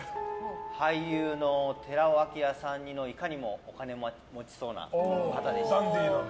俳優の寺尾聰さん似のいかにもお金持ちそうな方でした。